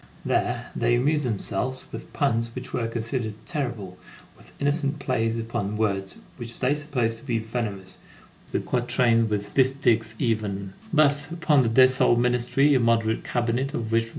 20 There they amused themselves with puns which were considered terrible, with innocent plays upon words which they supposed to be venomous, with quatrains, with distiches even; thus, upon the Dessolles ministry, a moderate cabinet, of which MM.